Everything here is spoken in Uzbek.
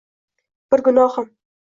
Bir gunohim